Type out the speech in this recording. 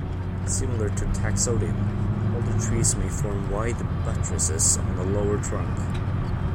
Similar to Taxodium, older trees may form wide buttresses on the lower trunk.